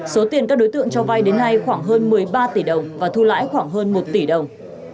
số tiền các đối tượng cho vai đến nay khoảng hơn một mươi ba tỷ đồng và thu lãi khoảng hơn một tỷ đồng